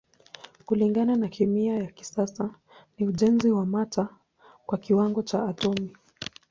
Kulingana na kemia ya kisasa ni ujenzi wa mata kwa kiwango cha atomi.